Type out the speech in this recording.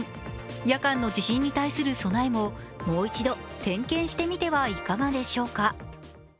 夜間の地震に対する備えももう一度、点検してみてはいかがでしょうか。